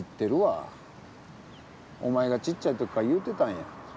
おまえがちっちゃいときから言うてたんや。